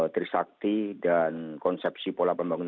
trisakti dan konsepsi pola pembangunan